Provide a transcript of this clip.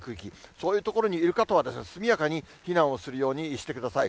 そういう所にいる方は速やかに避難をするようにしてください。